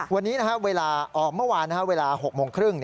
เมื่อวานเวลา๖โมงครึ่ง